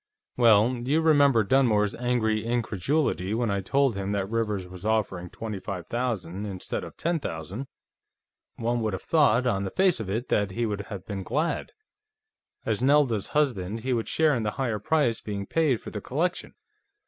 "Well, you remember Dunmore's angry incredulity when I told him that Rivers was offering twenty five thousand instead of ten thousand. One would have thought, on the face of it, that he would have been glad; as Nelda's husband, he would share in the higher price being paid for the collection.